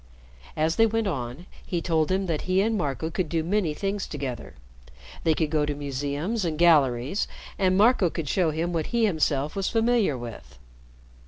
As they went on, he told him that he and Marco could do many things together. They could go to museums and galleries, and Marco could show him what he himself was familiar with.